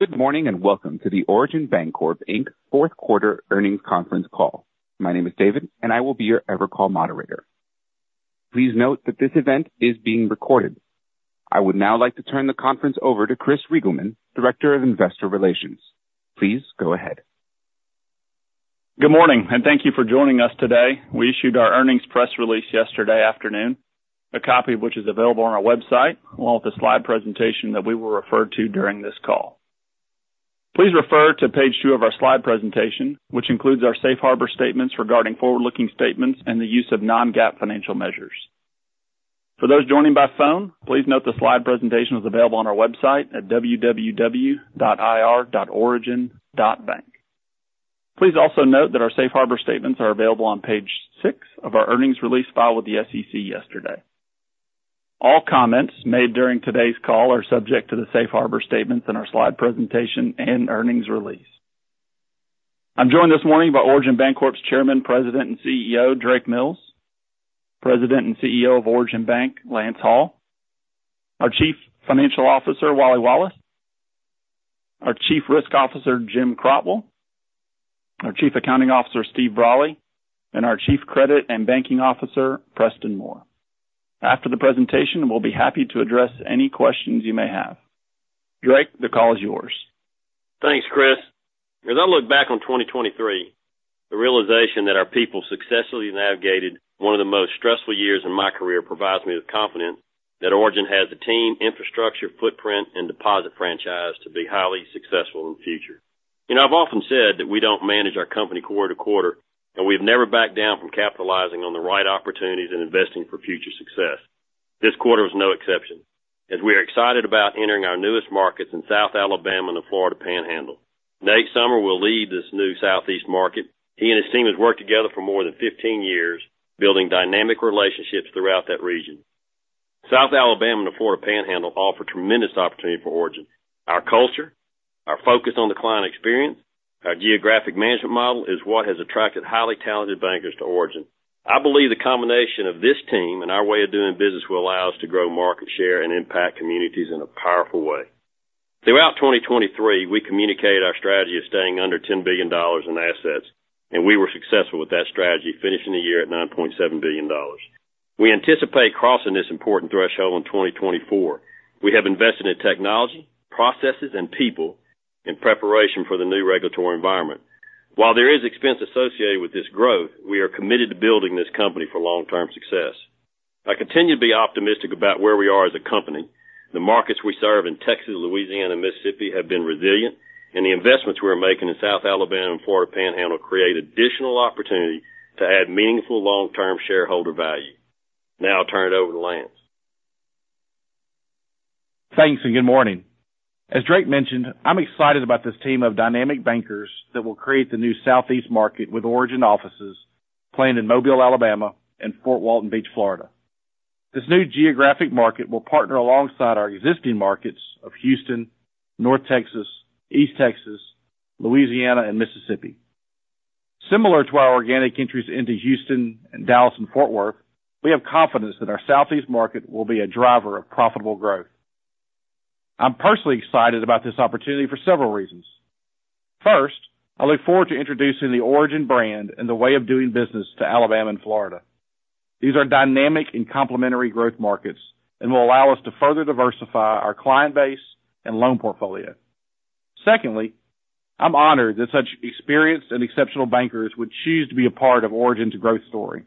Good morning, and welcome to the Origin Bancorp, Inc. fourth quarter earnings conference call. My name is David, and I will be your EverCall moderator. Please note that this event is being recorded. I would now like to turn the conference over to Chris Reigelman, Director of Investor Relations. Please go ahead. Good morning, and thank you for joining us today. We issued our earnings press release yesterday afternoon, a copy of which is available on our website, along with the slide presentation that we will refer to during this call. Please refer to page 2 of our slide presentation, which includes our safe harbor statements regarding forward-looking statements and the use of non-GAAP financial measures. For those joining by phone, please note the slide presentation is available on our website at www.ir.origin.bank. Please also note that our safe harbor statements are available on page 6 of our earnings release filed with the SEC yesterday. All comments made during today's call are subject to the safe harbor statements in our slide presentation and earnings release. I'm joined this morning by Origin Bancorp's Chairman, President, and CEO, Drake Mills, President and CEO of Origin Bank, Lance Hall, our Chief Financial Officer, Wally Wallace, our Chief Risk Officer, Jim Crotwell, our Chief Accounting Officer, Steve Brolly, and our Chief Credit and Banking Officer, Preston Moore. After the presentation, we'll be happy to address any questions you may have. Drake, the call is yours. Thanks, Chris. As I look back on 2023, the realization that our people successfully navigated one of the most stressful years in my career provides me with confidence that Origin has the team, infrastructure, footprint, and deposit franchise to be highly successful in the future. You know, I've often said that we don't manage our company quarter-to-quarter, and we've never backed down from capitalizing on the right opportunities and investing for future success. This quarter was no exception, as we are excited about entering our newest markets in South Alabama and the Florida Panhandle. Nate Sommer will lead this new Southeast market. He and his team have worked together for more than 15 years, building dynamic relationships throughout that region. South Alabama and the Florida Panhandle offer tremendous opportunity for Origin. Our culture, our focus on the client experience, our geographic management model is what has attracted highly talented bankers to Origin. I believe the combination of this team and our way of doing business will allow us to grow market share and impact communities in a powerful way. Throughout 2023, we communicated our strategy of staying under $10 billion in assets, and we were successful with that strategy, finishing the year at $9.7 billion. We anticipate crossing this important threshold in 2024. We have invested in technology, processes, and people in preparation for the new regulatory environment. While there is expense associated with this growth, we are committed to building this company for long-term success. I continue to be optimistic about where we are as a company. The markets we serve in Texas, Louisiana, and Mississippi have been resilient, and the investments we're making in South Alabama and Florida Panhandle create additional opportunity to add meaningful, long-term shareholder value. Now I'll turn it over to Lance. Thanks, and good morning. As Drake mentioned, I'm excited about this team of dynamic bankers that will create the new Southeast market, with Origin offices planned in Mobile, Alabama, and Fort Walton Beach, Florida. This new geographic market will partner alongside our existing markets of Houston, North Texas, East Texas, Louisiana, and Mississippi. Similar to our organic entries into Houston and Dallas and Fort Worth, we have confidence that our Southeast market will be a driver of profitable growth. I'm personally excited about this opportunity for several reasons. First, I look forward to introducing the Origin brand and the way of doing business to Alabama and Florida. These are dynamic and complementary growth markets and will allow us to further diversify our client base and loan portfolio. Secondly, I'm honored that such experienced and exceptional bankers would choose to be a part of Origin's growth story.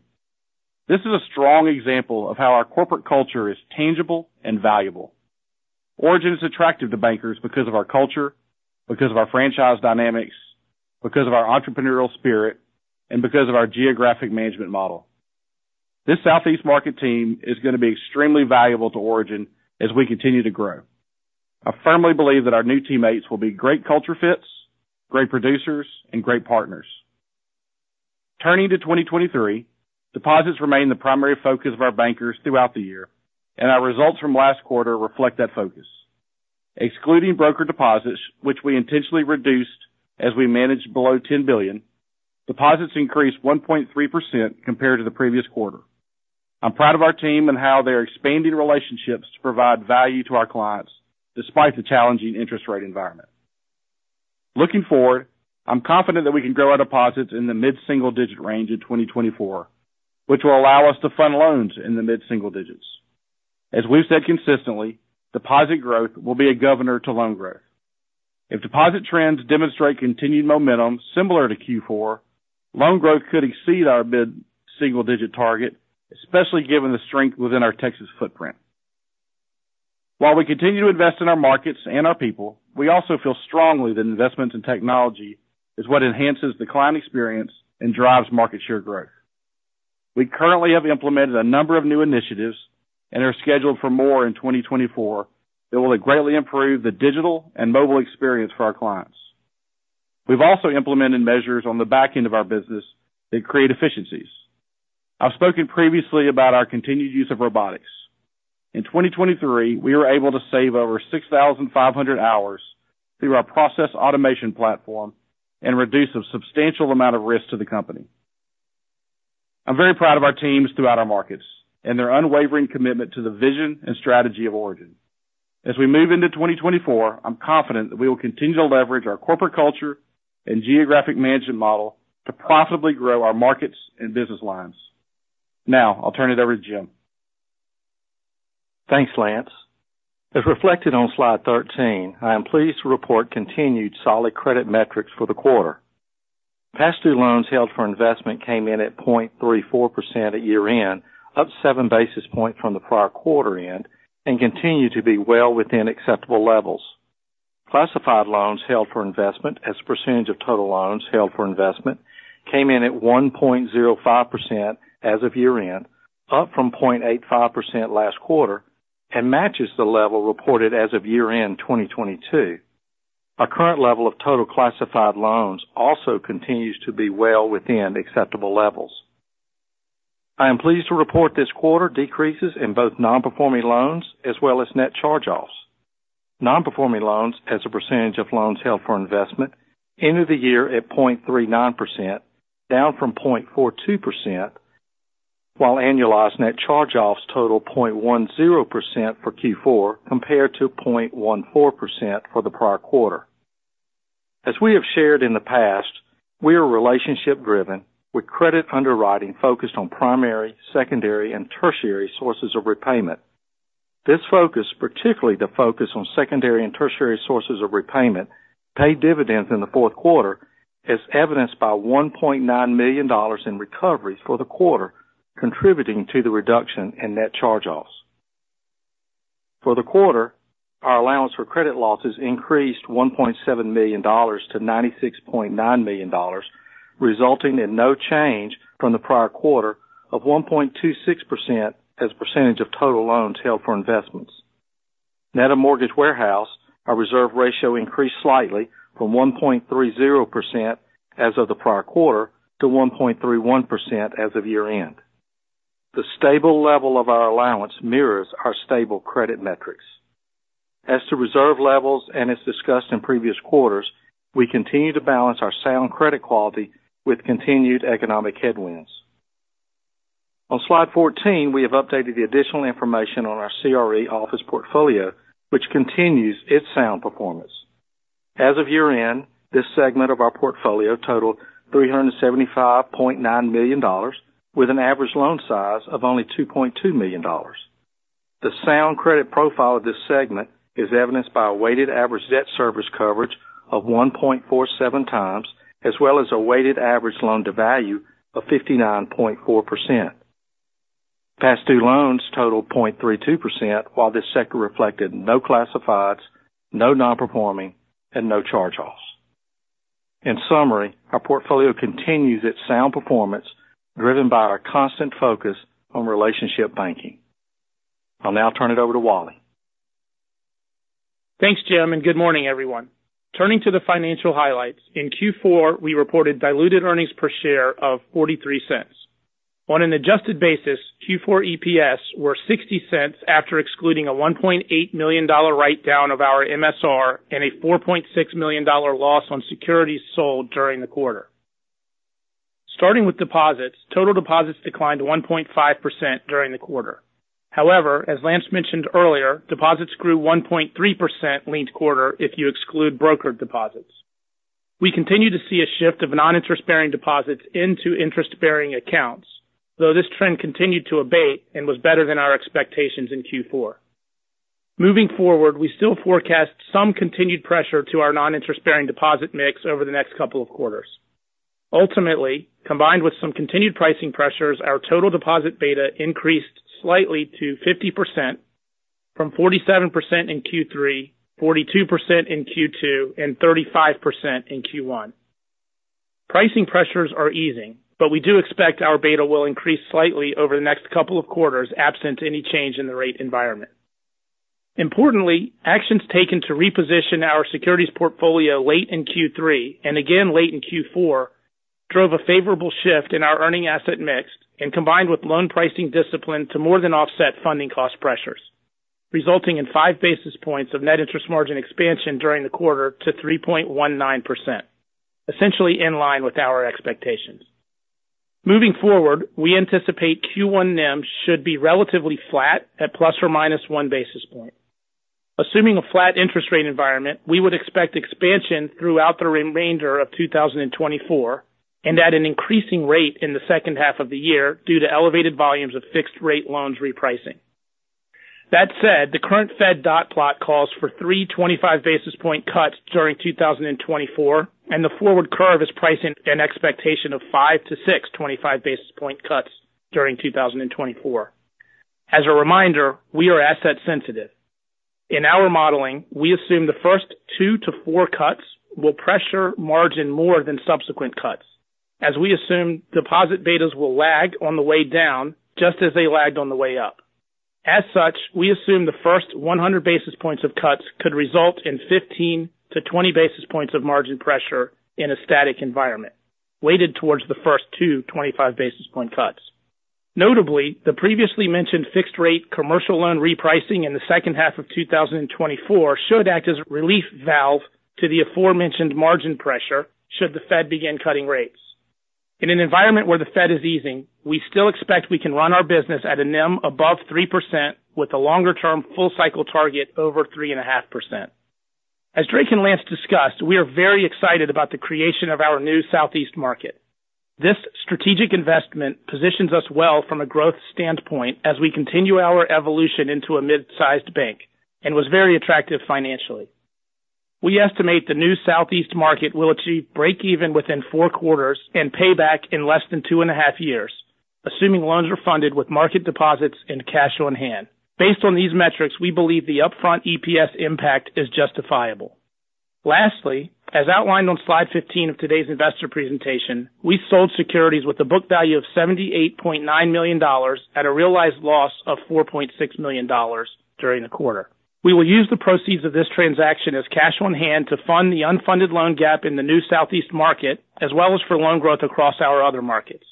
This is a strong example of how our corporate culture is tangible and valuable. Origin is attractive to bankers because of our culture, because of our franchise dynamics, because of our entrepreneurial spirit, and because of our geographic management model. This Southeast market team is going to be extremely valuable to Origin as we continue to grow. I firmly believe that our new teammates will be great culture fits, great producers, and great partners. Turning to 2023, deposits remained the primary focus of our bankers throughout the year, and our results from last quarter reflect that focus. Excluding brokered deposits, which we intentionally reduced as we managed below $10 billion, deposits increased 1.3% compared to the previous quarter. I'm proud of our team and how they are expanding relationships to provide value to our clients, despite the challenging interest rate environment. Looking forward, I'm confident that we can grow our deposits in the mid-single-digit range in 2024, which will allow us to fund loans in the mid-single digits. As we've said consistently, deposit growth will be a governor to loan growth. If deposit trends demonstrate continued momentum similar to Q4, loan growth could exceed our mid-single-digit target, especially given the strength within our Texas footprint. While we continue to invest in our markets and our people, we also feel strongly that investments in technology is what enhances the client experience and drives market share growth. We currently have implemented a number of new initiatives and are scheduled for more in 2024 that will greatly improve the digital and mobile experience for our clients. We've also implemented measures on the back end of our business that create efficiencies. I've spoken previously about our continued use of robotics. In 2023, we were able to save over 6,500 hours through our process automation platform and reduce a substantial amount of risk to the company. I'm very proud of our teams throughout our markets and their unwavering commitment to the vision and strategy of Origin. As we move into 2024, I'm confident that we will continue to leverage our corporate culture and geographic management model to profitably grow our markets and business lines. Now, I'll turn it over to Jim. Thanks, Lance. As reflected on slide 13, I am pleased to report continued solid credit metrics for the quarter. Past due loans held for investment came in at 0.34% at year-end, up 7 basis points from the prior quarter-end, and continue to be well within acceptable levels. Classified loans held for investment as a percentage of total loans held for investment came in at 1.05% as of year-end, up from 0.85% last quarter, and matches the level reported as of year-end 2022. Our current level of total classified loans also continues to be well within acceptable levels. I am pleased to report this quarter decreases in both non-performing loans as well as net charge-offs. Non-performing loans, as a percentage of loans held for investment, ended the year at 0.39%, down from 0.42%, while annualized net charge-offs total 0.10% for Q4, compared to 0.14% for the prior quarter. As we have shared in the past, we are relationship-driven, with credit underwriting focused on primary, secondary, and tertiary sources of repayment. This focus, particularly the focus on secondary and tertiary sources of repayment, paid dividends in the fourth quarter, as evidenced by $1.9 million in recoveries for the quarter, contributing to the reduction in net charge-offs. For the quarter, our allowance for credit losses increased $1.7 million-$96.9 million, resulting in no change from the prior quarter of 1.26% as a percentage of total loans held for investments. Net of mortgage warehouse, our reserve ratio increased slightly from 1.30% as of the prior quarter to 1.31% as of year-end. The stable level of our allowance mirrors our stable credit metrics. As to reserve levels, and as discussed in previous quarters, we continue to balance our sound credit quality with continued economic headwinds. On slide 14, we have updated the additional information on our CRE office portfolio, which continues its sound performance. As of year-end, this segment of our portfolio totaled $375.9 million, with an average loan size of only $2.2 million. The sound credit profile of this segment is evidenced by a weighted average debt service coverage of 1.47 times, as well as a weighted average loan to value of 59.4%. Past due loans totaled 0.32%, while this sector reflected no classifieds, no non-performing, and no charge-offs. In summary, our portfolio continues its sound performance, driven by our constant focus on relationship banking. I'll now turn it over to Wally. Thanks, Jim, and good morning, everyone. Turning to the financial highlights, in Q4, we reported diluted earnings per share of $0.43. On an adjusted basis, Q4 EPS were $0.60 after excluding a $1.8 million write-down of our MSR and a $4.6 million loss on securities sold during the quarter. Starting with deposits, total deposits declined 1.5% during the quarter. However, as Lance mentioned earlier, deposits grew 1.3% linked quarter if you exclude brokered deposits. We continue to see a shift of noninterest-bearing deposits into interest-bearing accounts, though this trend continued to abate and was better than our expectations in Q4. Moving forward, we still forecast some continued pressure to our noninterest-bearing deposit mix over the next couple of quarters. Ultimately, combined with some continued pricing pressures, our total deposit beta increased slightly to 50% from 47% in Q3, 42% in Q2, and 35% in Q1. Pricing pressures are easing, but we do expect our beta will increase slightly over the next couple of quarters, absent any change in the rate environment. Importantly, actions taken to reposition our securities portfolio late in Q3, and again late in Q4, drove a favorable shift in our earning asset mix and combined with loan pricing discipline to more than offset funding cost pressures, resulting in 5 basis points of net interest margin expansion during the quarter to 3.19%, essentially in line with our expectations. Moving forward, we anticipate Q1 NIM should be relatively flat at ±1 basis point. Assuming a flat interest rate environment, we would expect expansion throughout the remainder of 2024 and at an increasing rate in the second half of the year due to elevated volumes of fixed rate loans repricing. That said, the current Fed Dot Plot calls for three 25 basis point cuts during 2024, and the forward curve is pricing an expectation of 5-6 25 basis point cuts during 2024. As a reminder, we are asset sensitive. In our modeling, we assume the first 2-4 cuts will pressure margin more than subsequent cuts, as we assume deposit betas will lag on the way down just as they lagged on the way up. As such, we assume the first 100 basis points of cuts could result in 15-20 basis points of margin pressure in a static environment, weighted towards the first two 25 basis point cuts. Notably, the previously mentioned fixed-rate commercial loan repricing in the second half of 2024 should act as a relief valve to the aforementioned margin pressure, should the Fed begin cutting rates. In an environment where the Fed is easing, we still expect we can run our business at a NIM above 3%, with a longer-term full cycle target over 3.5%. As Drake and Lance discussed, we are very excited about the creation of our new Southeast market. This strategic investment positions us well from a growth standpoint as we continue our evolution into a mid-sized bank and was very attractive financially. We estimate the new Southeast market will achieve breakeven within 4 quarters and pay back in less than 2.5 years, assuming loans are funded with market deposits and cash on hand. Based on these metrics, we believe the upfront EPS impact is justifiable. Lastly, as outlined on slide 15 of today's investor presentation, we sold securities with a book value of $78.9 million at a realized loss of $4.6 million during the quarter. We will use the proceeds of this transaction as cash on hand to fund the unfunded loan gap in the new Southeast market, as well as for loan growth across our other markets.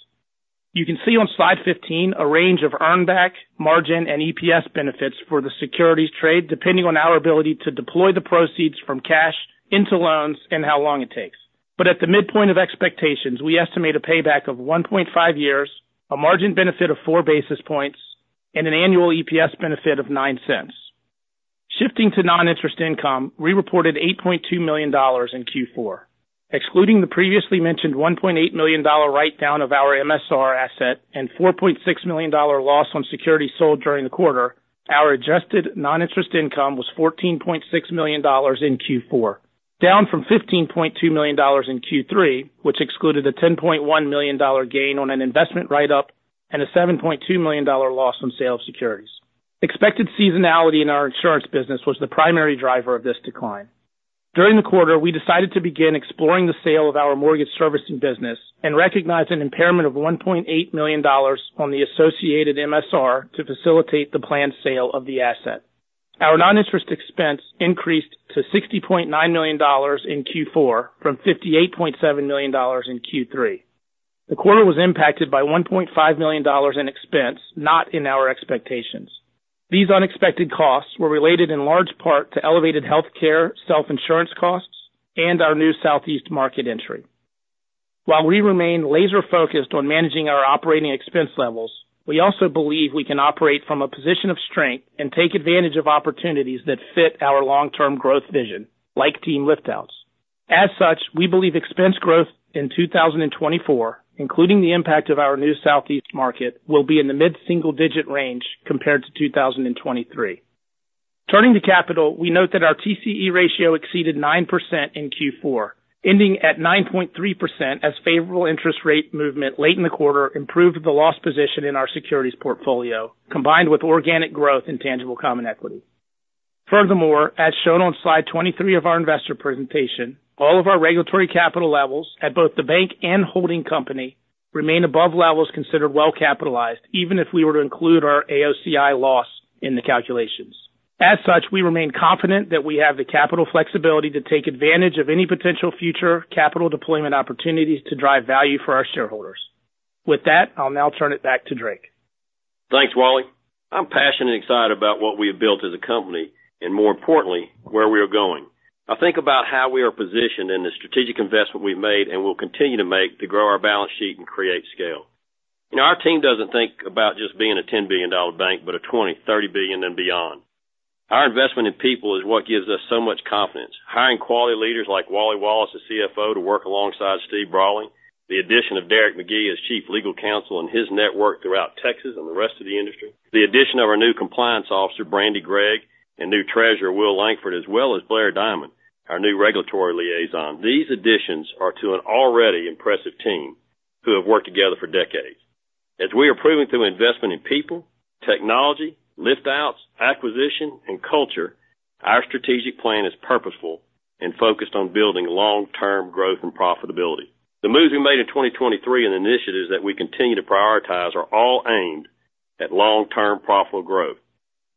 You can see on slide 15 a range of earn back, margin, and EPS benefits for the securities trade, depending on our ability to deploy the proceeds from cash into loans and how long it takes. But at the midpoint of expectations, we estimate a payback of 1.5 years, a margin benefit of 4 basis points, and an annual EPS benefit of $0.09. Shifting to non-interest income, we reported $8.2 million in Q4. Excluding the previously mentioned $1.8 million write-down of our MSR asset and $4.6 million loss on securities sold during the quarter, our adjusted non-interest income was $14.6 million in Q4, down from $15.2 million in Q3, which excluded a $10.1 million gain on an investment write-up and a $7.2 million loss from sale of securities. Expected seasonality in our insurance business was the primary driver of this decline. During the quarter, we decided to begin exploring the sale of our mortgage servicing business and recognized an impairment of $1.8 million on the associated MSR to facilitate the planned sale of the asset. Our non-interest expense increased to $60.9 million in Q4 from $58.7 million in Q3. The quarter was impacted by $1.5 million in expense, not in our expectations. These unexpected costs were related in large part to elevated healthcare, self-insurance costs, and our new Southeast market entry. While we remain laser focused on managing our operating expense levels, we also believe we can operate from a position of strength and take advantage of opportunities that fit our long-term growth vision, like team lift outs. As such, we believe expense growth in 2024, including the impact of our new Southeast market, will be in the mid-single digit range compared to 2023. Turning to capital, we note that our TCE ratio exceeded 9% in Q4, ending at 9.3% as favorable interest rate movement late in the quarter improved the loss position in our securities portfolio, combined with organic growth in tangible common equity. Furthermore, as shown on slide 23 of our investor presentation, all of our regulatory capital levels at both the bank and holding company remain above levels considered well capitalized, even if we were to include our AOCI loss in the calculations. As such, we remain confident that we have the capital flexibility to take advantage of any potential future capital deployment opportunities to drive value for our shareholders. With that, I'll now turn it back to Drake. Thanks, Wally. I'm passionate and excited about what we have built as a company and more importantly, where we are going. Now think about how we are positioned and the strategic investment we've made and will continue to make to grow our balance sheet and create scale. You know, our team doesn't think about just being a $10 billion bank, but a $20 billion, $30 billion and beyond. Our investment in people is what gives us so much confidence. Hiring quality leaders like Wally Wallace, as CFO, to work alongside Steve Brolly, the addition of Derek McGee as chief legal counsel and his network throughout Texas and the rest of the industry, the addition of our new compliance officer, Brandi Gregg, and new treasurer, Will Lankford, as well as Blair Diamond, our new regulatory liaison. These additions are to an already impressive team who have worked together for decades. As we are proving through investment in people, technology, lift outs, acquisition, and culture, our strategic plan is purposeful and focused on building long-term growth and profitability. The moves we made in 2023 and initiatives that we continue to prioritize are all aimed at long-term profitable growth.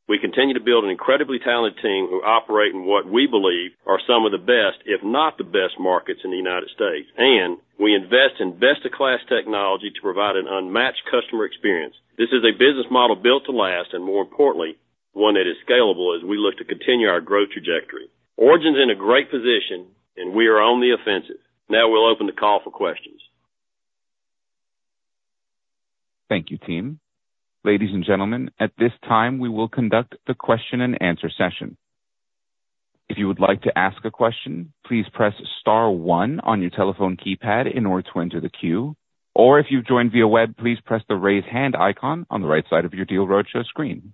We continue to build an incredibly talented team who operate in what we believe are some of the best, if not the best, markets in the United States, and we invest in best-in-class technology to provide an unmatched customer experience. This is a business model built to last and more importantly, one that is scalable as we look to continue our growth trajectory. Origin's in a great position and we are on the offensive. Now we'll open the call for questions. Thank you, team. Ladies and gentlemen, at this time, we will conduct the question-and-answer session. If you would like to ask a question, please press star one on your telephone keypad in order to enter the queue, or if you've joined via web, please press the Raise Hand icon on the right side of your Deal Roadshow screen.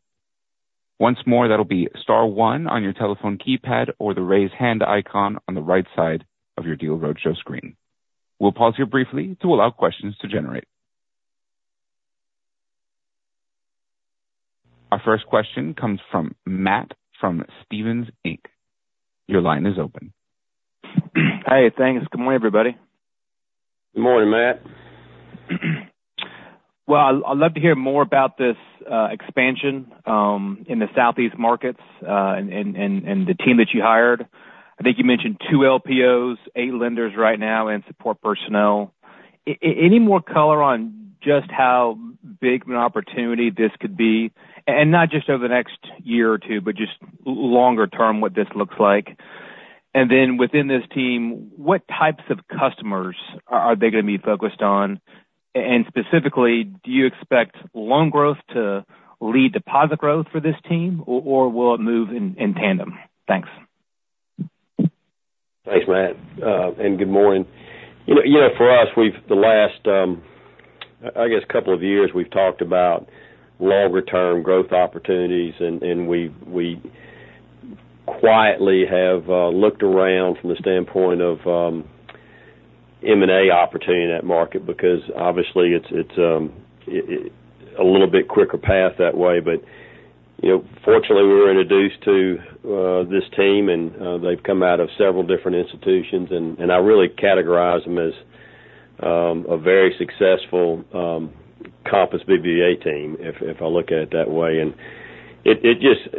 Once more, that'll be star one on your telephone keypad or the Raise Hand icon on the right side of your Deal Roadshow screen. We'll pause here briefly to allow questions to generate. Our first question comes from Matt from Stephens Inc. Your line is open. Hey, thanks. Good morning, everybody. Good morning, Matt. Well, I'd love to hear more about this expansion in the Southeast markets, and the team that you hired. I think you mentioned 2 LPOs, 8 lenders right now, and support personnel. Any more color on just how big an opportunity this could be? And not just over the next year or two, but just longer term, what this looks like. And then within this team, what types of customers are they going to be focused on? And specifically, do you expect loan growth to lead deposit growth for this team, or will it move in tandem? Thanks. Thanks, Matt, and good morning. You know, for us, we've the last, I guess, couple of years, we've talked about longer-term growth opportunities, and we quietly have looked around from the standpoint of M&A opportunity in that market because, obviously, it's a little bit quicker path that way. But, you know, fortunately, we were introduced to this team, and they've come out of several different institutions, and I really categorize them as a very successful Compass BBVA team, if I look at it that way. And it just.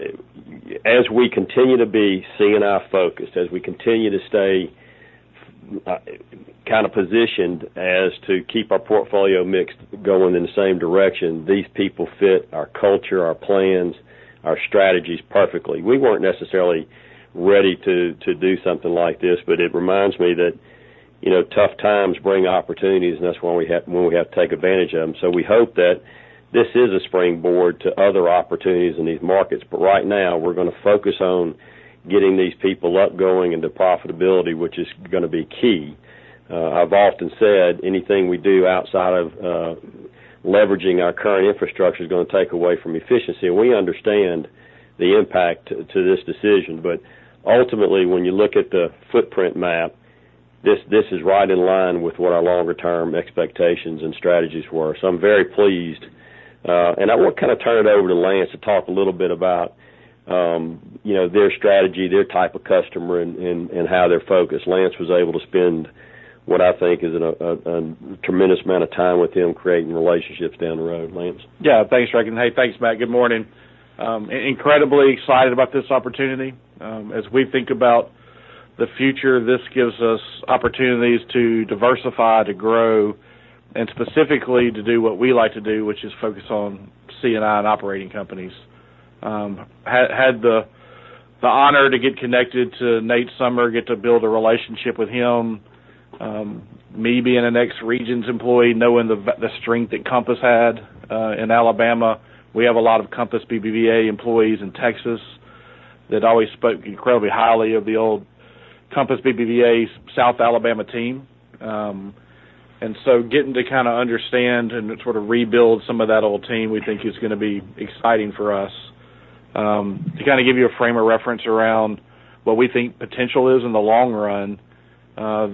As we continue to be C&I focused, as we continue to stay kind of positioned as to keep our portfolio mix going in the same direction, these people fit our culture, our plans, our strategies perfectly. We weren't necessarily ready to do something like this, but it reminds me that, you know, tough times bring opportunities, and that's when we have to take advantage of them. So we hope that this is a springboard to other opportunities in these markets. But right now, we're going to focus on getting these people up, going into profitability, which is going to be key. I've often said, anything we do outside of leveraging our current infrastructure is going to take away from efficiency. And we understand the impact to this decision. But ultimately, when you look at the footprint map, this is right in line with what our longer-term expectations and strategies were. So I'm very pleased, and I want to kind of turn it over to Lance to talk a little bit about, you know, their strategy, their type of customer, and how they're focused. Lance was able to spend what I think is a tremendous amount of time with them, creating relationships down the road. Lance? Yeah. Thanks, Drake, and, hey, thanks, Matt. Good morning. Incredibly excited about this opportunity. As we think about the future, this gives us opportunities to diversify, to grow, and specifically, to do what we like to do, which is focus on C&I and operating companies. Had the honor to get connected to Nate Sommer, get to build a relationship with him, me being an ex-Regions employee, knowing the strength that Compass had in Alabama. We have a lot of Compass BBVA employees in Texas that always spoke incredibly highly of the old Compass BBVA South Alabama team. And so getting to kind of understand and sort of rebuild some of that old team, we think is going to be exciting for us. To kind of give you a frame of reference around what we think potential is in the long run,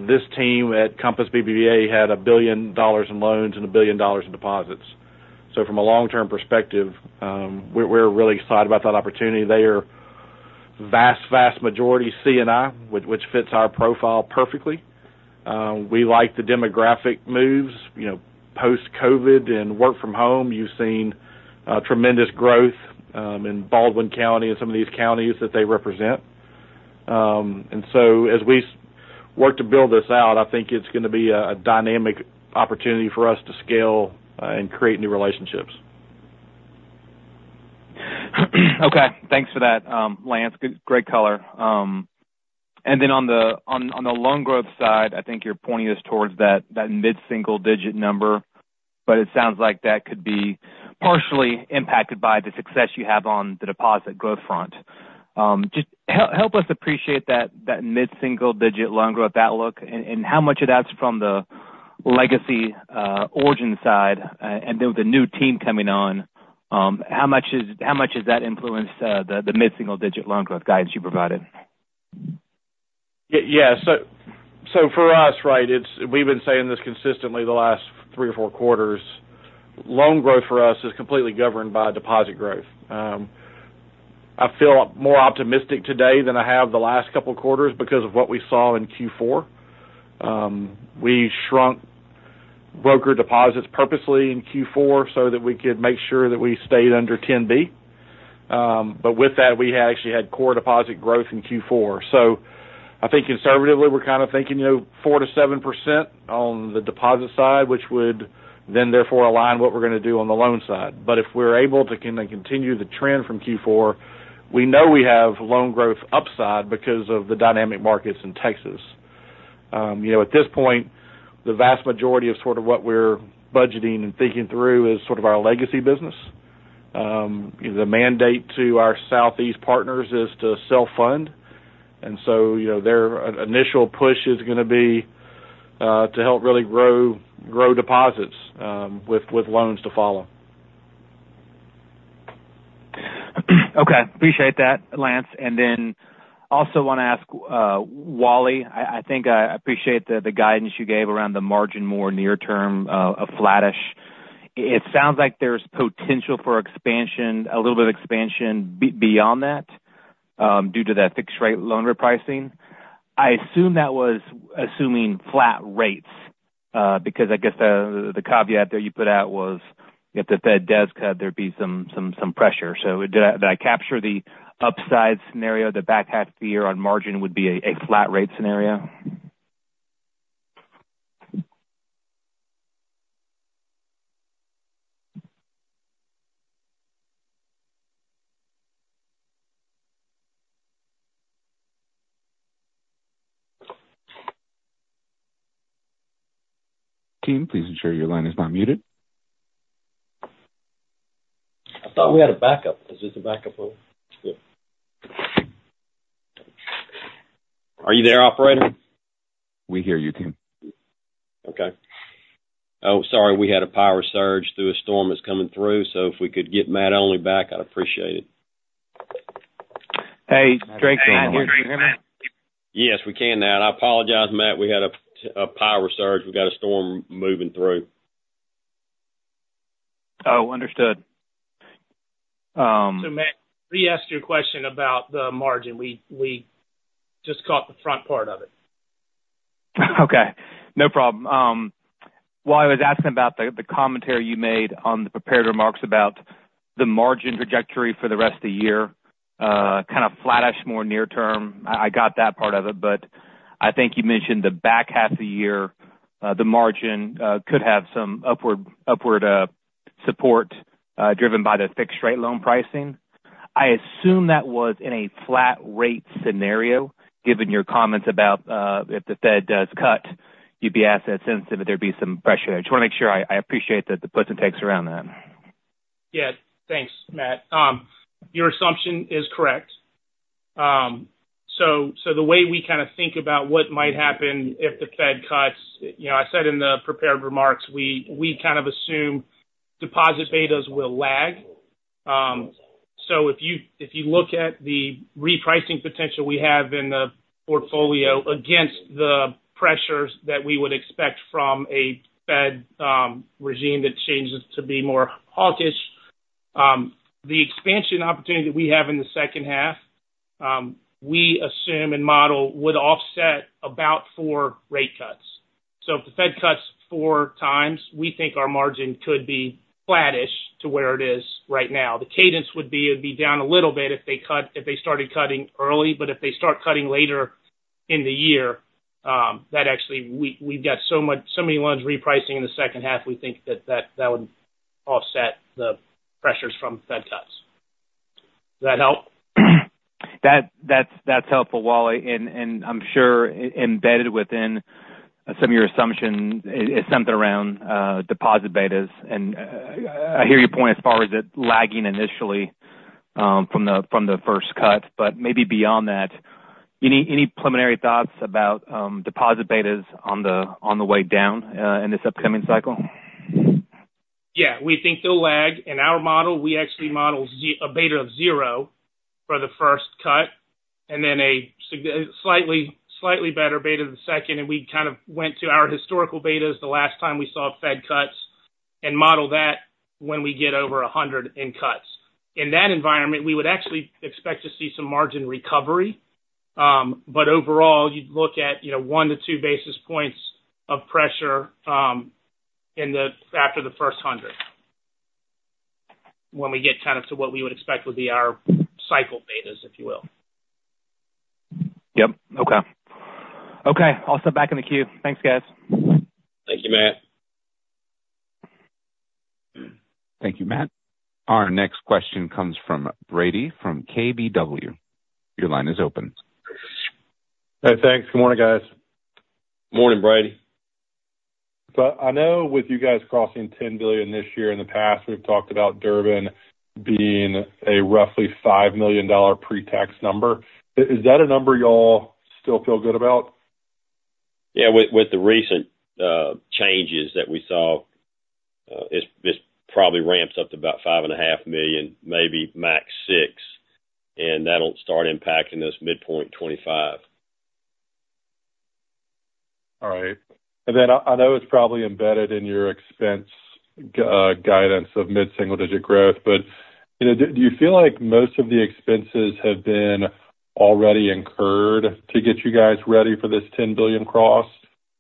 this team at Compass BBVA had $1 billion in loans and $1 billion in deposits. So from a long-term perspective, we're, we're really excited about that opportunity. They are vast, vast majority C&I, which, which fits our profile perfectly. We like the demographic moves, you know, post-COVID and work from home. You've seen tremendous growth in Baldwin County and some of these counties that they represent. And so as we work to build this out, I think it's going to be a dynamic opportunity for us to scale and create new relationships. Okay, thanks for that, Lance. Good- great color. And then on the loan growth side, I think you're pointing us towards that mid-single-digit number, but it sounds like that could be partially impacted by the success you have on the deposit growth front. Just help us appreciate that mid-single-digit loan growth outlook, and how much of that's from the legacy origin side, and then with the new team coming on, how much does that influence the mid-single-digit loan growth guidance you provided? Yeah. So for us, right, we've been saying this consistently the last three or four quarters, loan growth for us is completely governed by deposit growth. I feel more optimistic today than I have the last couple of quarters because of what we saw in Q4. We shrunk brokered deposits purposely in Q4 so that we could make sure that we stayed under $10 billion, but with that, we actually had core deposit growth in Q4. So I think conservatively, we're kind of thinking, you know, 4%-7% on the deposit side, which would then, therefore, align what we're going to do on the loan side. But if we're able to kind of continue the trend from Q4, we know we have loan growth upside because of the dynamic markets in Texas. You know, at this point, the vast majority of sort of what we're budgeting and thinking through is sort of our legacy business. The mandate to our Southeast partners is to sell, fund, and so, you know, their initial push is going to be to help really grow deposits with loans to follow. Okay. Appreciate that, Lance. And then also want to ask, Wally, I think I appreciate the guidance you gave around the margin, more near term, a flattish. It sounds like there's potential for expansion, a little bit of expansion beyond that, due to that fixed rate loan repricing. I assume that was assuming flat rates, because I guess the caveat that you put out was if the Fed does cut, there'd be some pressure. So did I capture the upside scenario, the back half of the year on margin would be a flat rate scenario? Team, please ensure your line is not muted. I thought we had a backup. Is this the backup phone? Good. Are you there, operator? We hear you, team. Okay. Oh, sorry, we had a power surge through, a storm is coming through, so if we could get Matt Olney back, I'd appreciate it. Hey, Drake here. Yes, we can now. I apologize, Matt, we had a power surge. We got a storm moving through. Oh, understood. So, Matt, re-ask your question about the margin. We, we just caught the front part of it. Okay, no problem. Well, I was asking about the, the commentary you made on the prepared remarks about the margin trajectory for the rest of the year, kind of flattish more near term. I, I got that part of it, but I think you mentioned the back half of the year, the margin could have some upward, upward support driven by the fixed rate loan pricing. I assume that was in a flat rate scenario, given your comments about, if the Fed does cut, you'd be asset sensitive, there'd be some pressure. I just wanna make sure I, I appreciate the, the puts and takes around that. Yeah, thanks, Matt. Your assumption is correct. So the way we kind of think about what might happen if the Fed cuts, you know, I said in the prepared remarks, we kind of assume deposit betas will lag. So if you look at the repricing potential we have in the portfolio against the pressures that we would expect from a Fed regime that changes to be more hawkish, the expansion opportunity that we have in the second half we assume and model would offset about 4 rate cuts. So if the Fed cuts 4 times, we think our margin could be flattish to where it is right now. The cadence would be, it'd be down a little bit if they started cutting early, but if they start cutting later in the year, that actually we've got so many loans repricing in the second half, we think that would offset the pressures from Fed cuts. Does that help? That's helpful, Wally, and I'm sure embedded within some of your assumptions is something around deposit betas. And I hear your point as far as it lagging initially from the first cut, but maybe beyond that, any preliminary thoughts about deposit betas on the way down in this upcoming cycle? Yeah, we think they'll lag. In our model, we actually model a beta of zero for the first cut, and then a slightly, slightly better beta the second. And we kind of went to our historical betas the last time we saw Fed cuts and modeled that when we get over 100 in cuts. In that environment, we would actually expect to see some margin recovery. But overall, you'd look at, you know, 1-2 basis points of pressure in the... after the first 100, when we get kind of to what we would expect would be our cycle betas, if you will. Yep. Okay. Okay, I'll step back in the queue. Thanks, guys. Thank you, Matt. Thank you, Matt. Our next question comes from Brady, from KBW. Your line is open. Hey, thanks. Good morning, guys. Morning, Brady. So I know with you guys crossing $10 billion this year, in the past, we've talked about Durbin being a roughly $5 million pre-tax number. Is that a number y'all still feel good about? Yeah, with the recent changes that we saw, it probably ramps up to about $5.5 million, maybe max $6 million, and that'll start impacting us midpoint 2025. All right. And then I know it's probably embedded in your expense guidance of mid-single-digit growth, but, you know, do you feel like most of the expenses have been already incurred to get you guys ready for this $10 billion cross?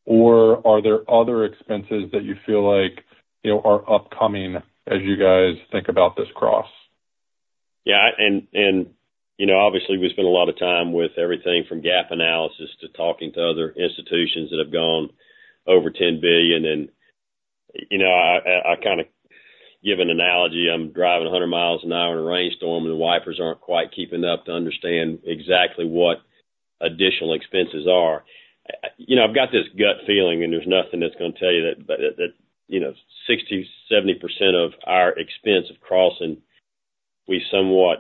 Or are there other expenses that you feel like, you know, are upcoming as you guys think about this cross? Yeah, and you know, obviously, we spend a lot of time with everything from gap analysis to talking to other institutions that have gone over $10 billion. You know, I kind of give an analogy. I'm driving 100 mi an hour in a rainstorm, and the wipers aren't quite keeping up to understand exactly what additional expenses are. You know, I've got this gut feeling, and there's nothing that's going to tell you that, but that you know, 60%-70% of our expense of crossing we somewhat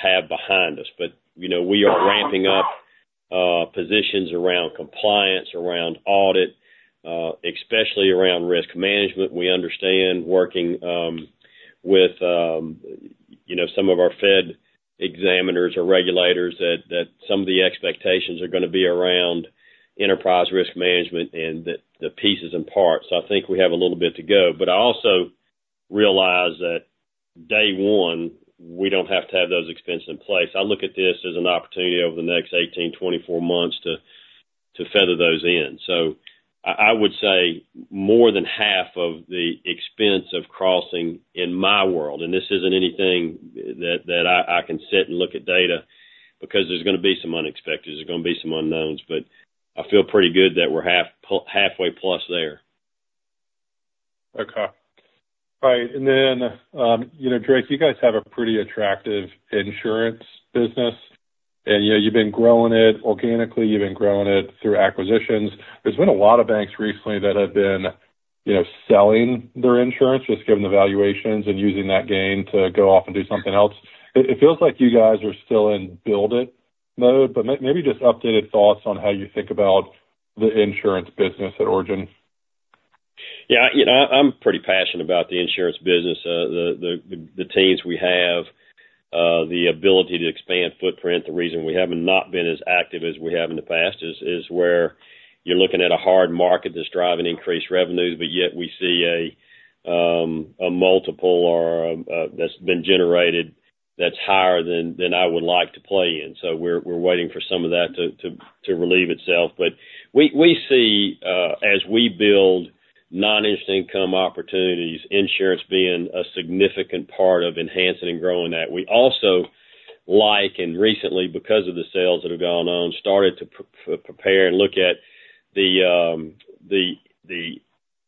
have behind us. But you know, we are ramping up positions around compliance, around audit, especially around risk management. We understand working with you know, some of our Fed examiners or regulators, that some of the expectations are gonna be around enterprise risk management and the pieces and parts. So I think we have a little bit to go, but I also realize day one we don't have to have those expenses in place. I look at this as an opportunity over the next 18-24 months to, to feather those in. So I, I would say more than half of the expense of crossing in my world, and this isn't anything that, that I, I can sit and look at data, because there's gonna be some unexpected, there's gonna be some unknowns, but I feel pretty good that we're halfway plus there. Okay. All right, and then, you know, Drake, you guys have a pretty attractive insurance business, and, you know, you've been growing it organically, you've been growing it through acquisitions. There's been a lot of banks recently that have been, you know, selling their insurance, just given the valuations and using that gain to go off and do something else. It feels like you guys are still in build it mode, but maybe just updated thoughts on how you think about the insurance business at Origin. Yeah, you know, I, I'm pretty passionate about the insurance business. The teams we have, the ability to expand footprint. The reason we have not been as active as we have in the past is where you're looking at a hard market that's driving increased revenues, but yet we see a multiple or that's been generated that's higher than I would like to play in. So we're waiting for some of that to relieve itself. But we see, as we build non-interest income opportunities, insurance being a significant part of enhancing and growing that. We also like, and recently, because of the sales that have gone on, started to prepare and look at the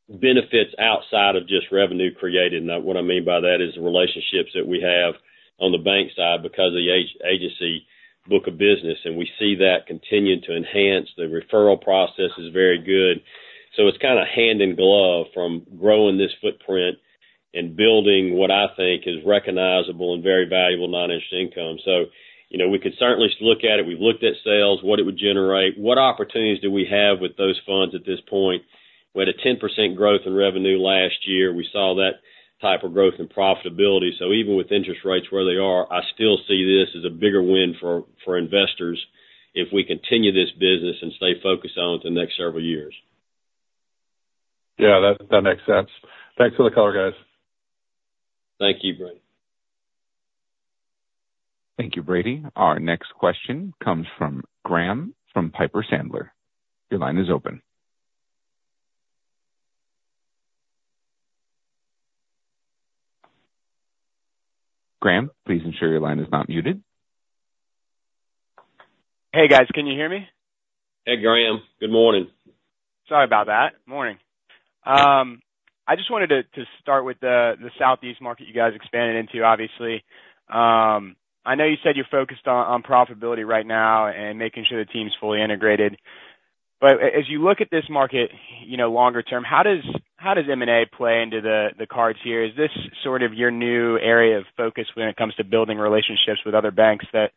benefits outside of just revenue created. And what I mean by that is the relationships that we have on the bank side because of the agency book of business, and we see that continuing to enhance. The referral process is very good. So it's kind of hand in glove from growing this footprint and building what I think is recognizable and very valuable noninterest income. So, you know, we could certainly look at it. We've looked at sales, what it would generate, what opportunities do we have with those funds at this point? We had a 10% growth in revenue last year. We saw that type of growth and profitability. So even with interest rates where they are, I still see this as a bigger win for investors if we continue this business and stay focused on it the next several years. Yeah, that, that makes sense. Thanks for the color, guys. Thank you, Brady. Thank you, Brady. Our next question comes from Graham, from Piper Sandler. Your line is open. Graham, please ensure your line is not muted. Hey, guys, can you hear me? Hey, Graham. Good morning. Sorry about that. Morning. I just wanted to start with the Southeast market you guys expanded into, obviously. I know you said you're focused on profitability right now and making sure the team's fully integrated, but as you look at this market, you know, longer term, how does M&A play into the cards here? Is this sort of your new area of focus when it comes to building relationships with other banks that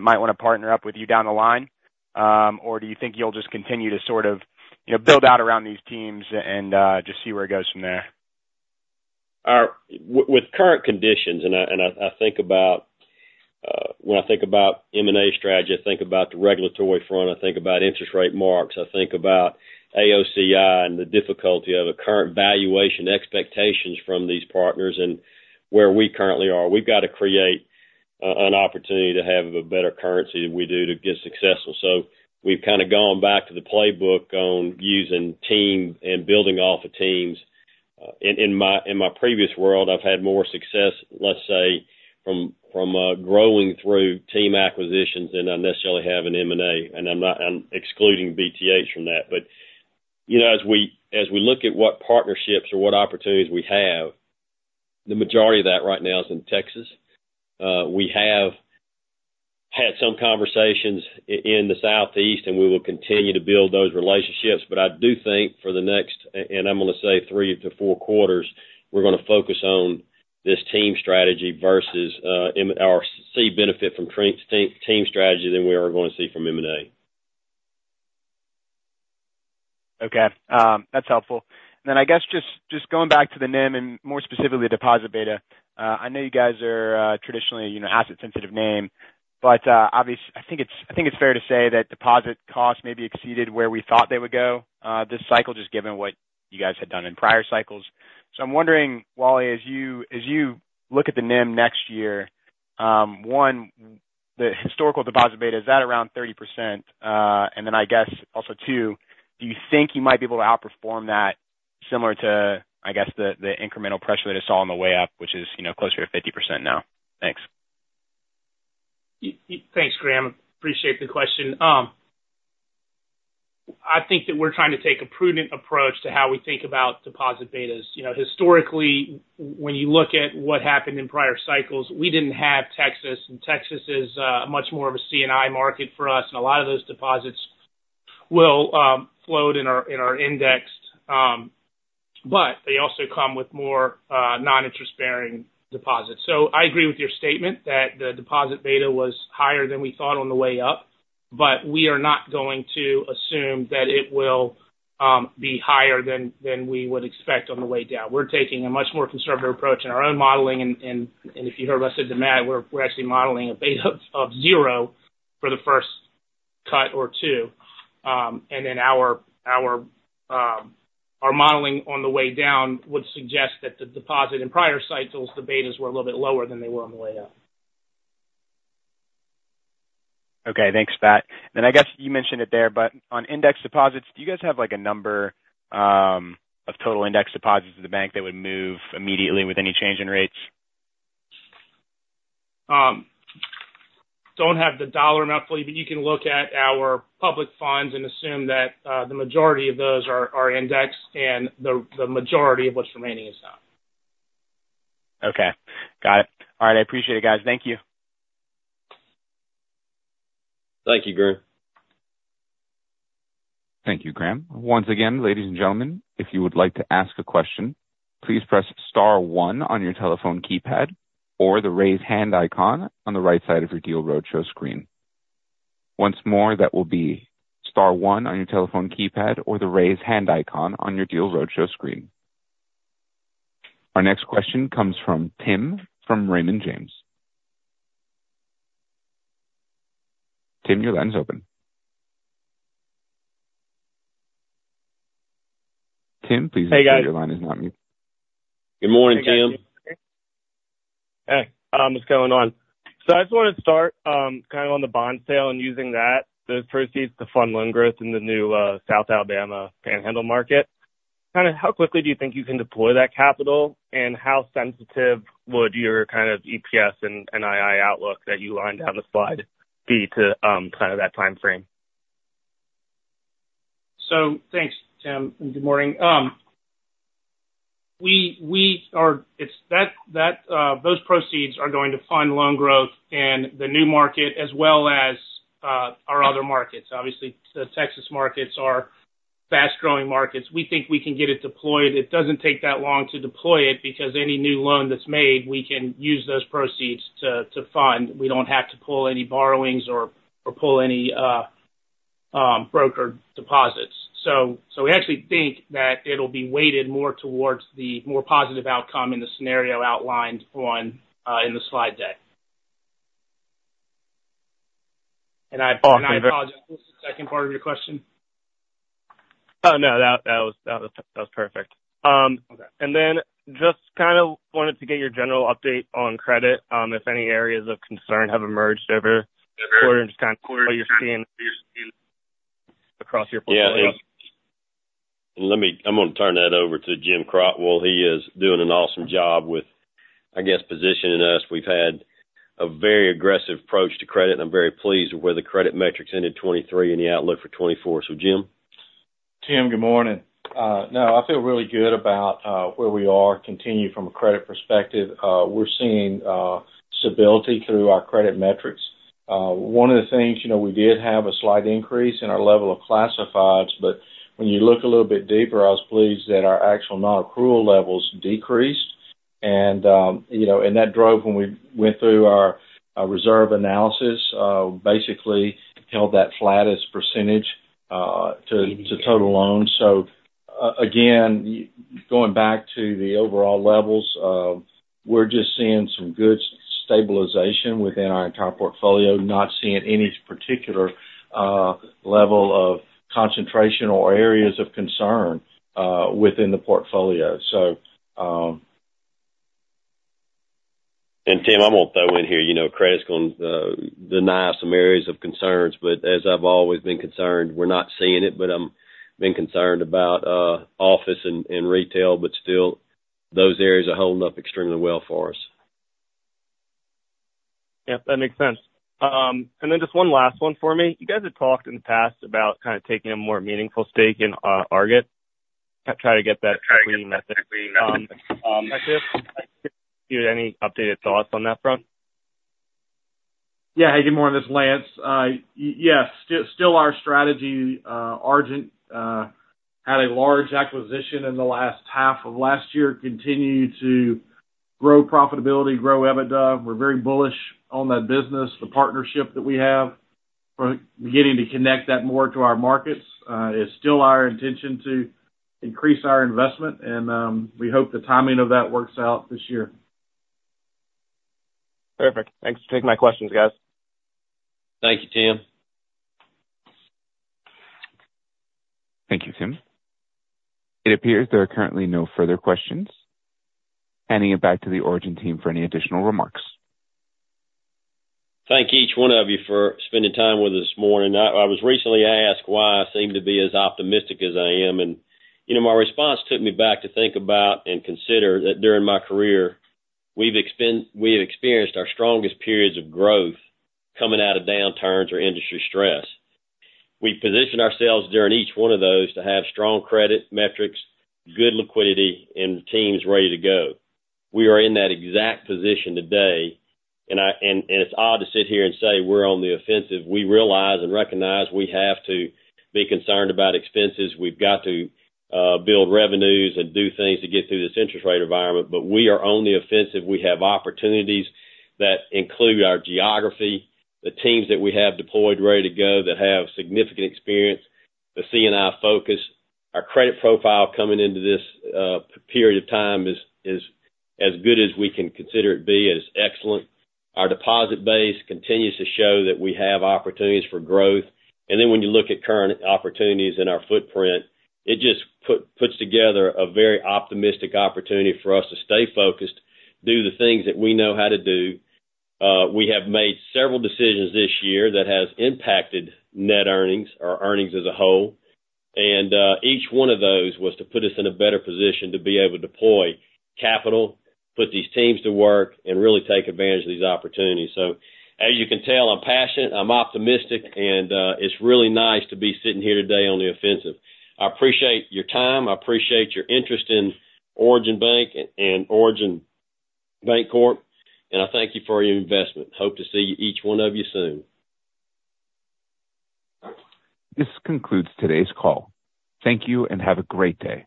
might want to partner up with you down the line? Or do you think you'll just continue to sort of, you know, build out around these teams and just see where it goes from there? With current conditions, and I think about when I think about M&A strategy, I think about the regulatory front, I think about interest rate marks, I think about AOCI and the difficulty of the current valuation expectations from these partners and where we currently are. We've got to create an opportunity to have a better currency than we do to get successful. So we've kind of gone back to the playbook on using team and building off of teams. In my previous world, I've had more success, let's say, from growing through team acquisitions than I necessarily have in M&A, and I'm not excluding BTH from that. But you know, as we look at what partnerships or what opportunities we have, the majority of that right now is in Texas. We have had some conversations in the Southeast, and we will continue to build those relationships. But I do think for the next, and, and I'm gonna say 3-4 quarters, we're gonna focus on this team strategy versus, or see benefit from team strategy than we are gonna see from M&A. Okay. That's helpful. Then, I guess, just going back to the NIM and more specifically, deposit beta. I know you guys are traditionally, you know, asset-sensitive name, but obviously, I think it's fair to say that deposit costs may be exceeded where we thought they would go this cycle, just given what you guys had done in prior cycles. So I'm wondering, Wally, as you look at the NIM next year, one, the historical deposit beta, is that around 30%? And then I guess also, two, do you think you might be able to outperform that similar to, I guess, the incremental pressure that I saw on the way up, which is, you know, closer to 50% now? Thanks. Thanks, Graham. Appreciate the question. I think that we're trying to take a prudent approach to how we think about deposit betas. You know, historically, when you look at what happened in prior cycles, we didn't have Texas, and Texas is much more of a C&I market for us, and a lot of those deposits will float in our index. But they also come with more noninterest-bearing deposits. So I agree with your statement that the deposit beta was higher than we thought on the way up, but we are not going to assume that it will be higher than we would expect on the way down. We're taking a much more conservative approach in our own modeling, and if you heard what I said to Matt, we're actually modeling a beta of zero for the first half or two, and then our modeling on the way down would suggest that the deposits in prior cycles, the betas were a little bit lower than they were on the way up. Okay. Thanks, Pat. Then I guess you mentioned it there, but on index deposits, do you guys have, like, a number of total index deposits in the bank that would move immediately with any change in rates? Don't have the dollar amount for you, but you can look at our public funds and assume that the majority of those are indexed and the majority of what's remaining is not. Okay, got it. All right. I appreciate it, guys. Thank you. Thank you, Graham. Thank you, Graham. Once again, ladies and gentlemen, if you would like to ask a question, please press star one on your telephone keypad or the Raise Hand icon on the right side of your Deal Roadshow screen. Once more, that will be star one on your telephone keypad or the Raise Hand icon on your Deal Roadshow screen. Our next question comes from Tim from Raymond James. Tim, your line's open. Tim, please- Hey, guys. Good morning, Tim. Hey, what's going on? So I just wanted to start, kind of, on the bond sale and using that, those proceeds to fund loan growth in the new, South Alabama Panhandle market. Kind of how quickly do you think you can deploy that capital? And how sensitive would your, kind of, EPS and NII outlook that you lined down the slide be to, kind of, that timeframe? So thanks, Tim, and good morning. We are— It's that, those proceeds are going to fund loan growth and the new market as well as our other markets. Obviously, the Texas markets are fast-growing markets. We think we can get it deployed. It doesn't take that long to deploy it, because any new loan that's made, we can use those proceeds to fund. We don't have to pull any borrowings or pull any brokered deposits. So we actually think that it'll be weighted more towards the more positive outcome in the scenario outlined on in the slide deck. And I apologize, what's the second part of your question? Oh, no, that was perfect. Okay. And then just kind of wanted to get your general update on credit, if any areas of concern have emerged over the quarter and just kind of the quarter you're seeing across your portfolio? Yeah. Let me, I'm going to turn that over to Jim Crotwell. He is doing an awesome job with, I guess, positioning us. We've had a very aggressive approach to credit, and I'm very pleased with where the credit metrics ended 2023 and the outlook for 2024. So, Jim? Tim, good morning. No, I feel really good about where we are continuing from a credit perspective. We're seeing stability through our credit metrics. One of the things, you know, we did have a slight increase in our level of classifieds, but when you look a little bit deeper, I was pleased that our actual nonaccrual levels decreased. And, you know, and that drove when we went through our reserve analysis, basically, held that flattest percentage to total loans. So, again, going back to the overall levels, we're just seeing some good stabilization within our entire portfolio, not seeing any particular level of concentration or areas of concern within the portfolio. So... Tim, I'm going to throw in here, you know, credit's going to deny some areas of concerns, but as I've always been concerned, we're not seeing it, but I'm been concerned about office and retail, but still those areas are holding up extremely well for us. Yep, that makes sense. And then just one last one for me. You guys have talked in the past about kind of taking a more meaningful stake in Argent, try to get that completed. I guess, any updated thoughts on that front? Yeah. Hey, good morning. This is Lance. Yes, still our strategy. Argent had a large acquisition in the last half of last year, continued to grow profitability, grow EBITDA. We're very bullish on that business, the partnership that we have. We're beginning to connect that more to our markets. It's still our intention to increase our investment, and we hope the timing of that works out this year. Perfect. Thanks for taking my questions, guys. Thank you, Tim. Thank you, Tim. It appears there are currently no further questions. Handing it back to the Origin team for any additional remarks. Thank each one of you for spending time with us this morning. I was recently asked why I seem to be as optimistic as I am, and, you know, my response took me back to think about and consider that during my career, we have experienced our strongest periods of growth coming out of downturns or industry stress. We positioned ourselves during each one of those to have strong credit metrics, good liquidity, and the team's ready to go. We are in that exact position today, and it's odd to sit here and say, we're on the offensive. We realize and recognize we have to be concerned about expenses. We've got to build revenues and do things to get through this interest rate environment. But we are on the offensive. We have opportunities that include our geography, the teams that we have deployed, ready to go, that have significant experience, the C&I focus. Our credit profile coming into this period of time is as good as we can consider it be, as excellent. Our deposit base continues to show that we have opportunities for growth. And then when you look at current opportunities in our footprint, it just puts together a very optimistic opportunity for us to stay focused, do the things that we know how to do. We have made several decisions this year that has impacted net earnings or earnings as a whole, and each one of those was to put us in a better position to be able to deploy capital, put these teams to work, and really take advantage of these opportunities. So as you can tell, I'm passionate, I'm optimistic, and, it's really nice to be sitting here today on the offensive. I appreciate your time. I appreciate your interest in Origin Bank and Origin Bancorp, and I thank you for your investment. Hope to see each one of you soon. This concludes today's call. Thank you and have a great day.